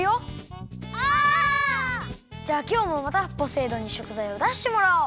じゃあきょうもまたポセイ丼にしょくざいをだしてもらおう！